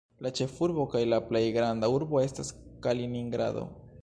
La ĉefurbo kaj la plej granda urbo estas Kaliningrado.